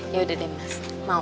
ya udah deh mas mau